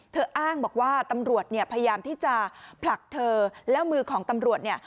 อ้างบอกว่าตำรวจเนี่ยพยายามที่จะผลักเธอแล้วมือของตำรวจเนี่ย